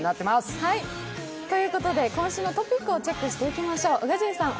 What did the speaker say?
今週のトピックをチェックしていきましょう。